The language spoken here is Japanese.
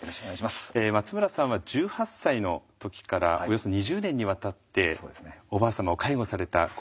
松村さんは１８歳の時からおよそ２０年にわたっておばあ様を介護されたご経験があると。